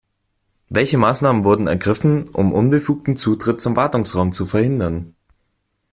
Welche Maßnahmen wurden ergriffen, um unbefugten Zutritt zum Wartungsraum zu verhindern?